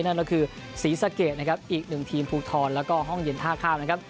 นั่นก็คือศรีสะเกดนะครับอีกหนึ่งทีมภูทรแล้วก็ห้องเย็นท่าข้ามนะครับ